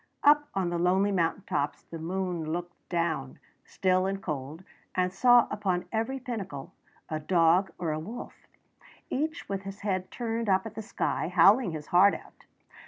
Up on the lonely mountain tops the moon looked down, still and cold, and saw upon every pinnacle a dog or a wolf, each with his head turned up at the sky, howling his heart out.